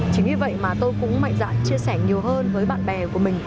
chính vì vậy mà tôi cũng mạnh dạng chia sẻ nhiều hơn với bạn bè của mình